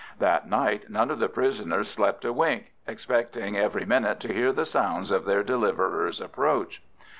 That night none of the prisoners slept a wink, expecting every minute to hear the sounds of their deliverers' approach.